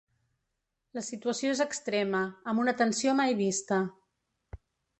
La situació és extrema, amb una tensió mai vista.